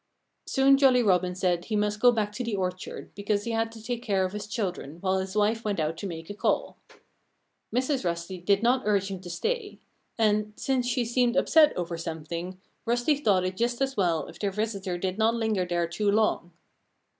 Soon Jolly Robin said he must go back to the orchard, because he had to take care of his children while his wife went out to make a call. Mrs. Rusty did not urge him to stay. And, since she seemed upset over something, Rusty thought it just as well if their visitor did not linger there too long.